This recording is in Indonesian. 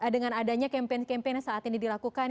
dengan adanya campaign campaign yang saat ini dilakukan